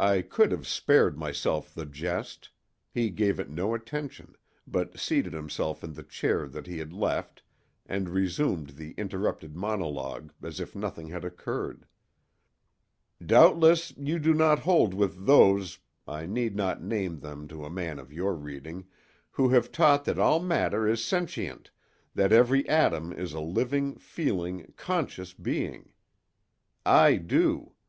I could have spared myself the jest; he gave it no attention, but seated himself in the chair that he had left and resumed the interrupted monologue as if nothing had occurred: "Doubtless you do not hold with those (I need not name them to a man of your reading) who have taught that all matter is sentient, that every atom is a living, feeling, conscious being. I do.